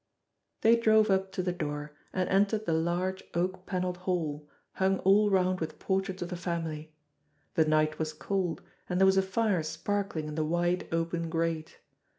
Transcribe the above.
They drove up to the door, and entered the large oak panelled hall, hung all round with portraits of the family. The night was cold, and there was a fire sparkling in the wide, open grate.